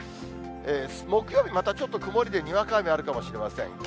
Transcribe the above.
木曜日、またちょっと曇りでにわか雨あるかもしれません。